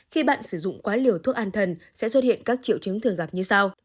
khi bạn sử dụng quá liều thuốc an thần sẽ xuất hiện các triệu chứng thường gặp như sau